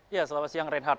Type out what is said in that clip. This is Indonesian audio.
ya selama siang reinhardt